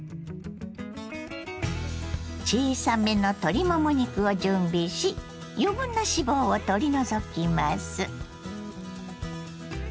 小さめの鶏もも肉を準備し余分な脂肪を取り除きます。